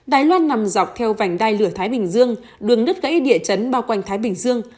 đài loan nằm dọc theo vành đai lửa thái bình dương đường đứt gãy địa chấn bao quanh thái bình dương